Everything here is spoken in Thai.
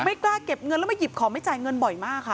ไม่กล้าเก็บเงินแล้วมาหยิบของไม่จ่ายเงินบ่อยมากค่ะ